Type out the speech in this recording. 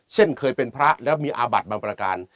เช่นเคยเป็นพระแล้วมีอาบัติบางประการ